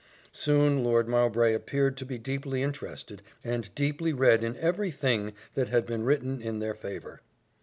Soon Lord Mowbray appeared to be deeply interested and deeply read in very thing that had been written in their favour.